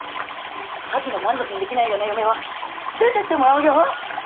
家事も満足にできないような嫁は出てってもらうよ！